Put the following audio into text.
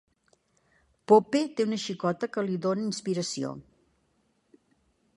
Pope té una xicota que li dóna inspiració.